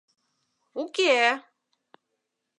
Уке!..